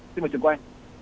xin mời trường quay